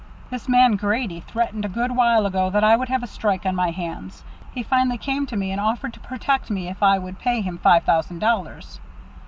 " This man Grady threatened a good while ago that I would have a strike on my hands. He finally came to me and offered to protect me if I would pay him five thousand dollars."